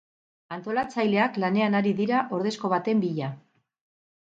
Antolatzaileak lanean ari dira ordezko baten bila.